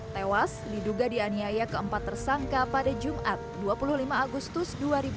tewas diduga dianiaya keempat tersangka pada jumat dua puluh lima agustus dua ribu dua puluh